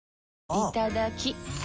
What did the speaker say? いただきっ！